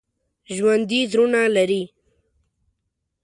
ژوندي زړونه لري